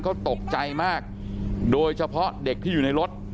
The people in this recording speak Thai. เขาตกใจมากโดยเฉพาะเด็กที่อยู่ในรถ